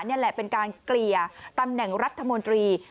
นี่แหละเป็นการเกลี่ยตำแหน่งรัฐมนตรี